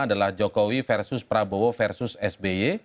adalah jokowi versus prabowo versus sby